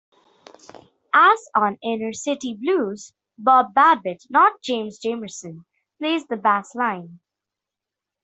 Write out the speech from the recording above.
As on "Inner City Blues", Bob Babbitt, not James Jamerson, plays the bass line.